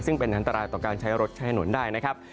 ซึ่งเป็นอันตรายต่อการใช้รถใช้ถนนได้นะครับ